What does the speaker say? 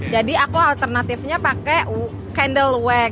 jadi aku alternatifnya pakai candle wax